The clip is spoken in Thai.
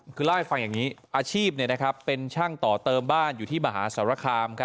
คือเล่าให้ฟังอย่างนี้อาชีพเป็นช่างต่อเติมบ้านอยู่ที่มหาสารคาม